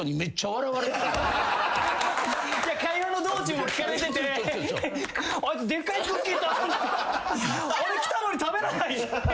会話の道中を聞かれててあいつでっかいクッキー頼んであれきたのに食べない。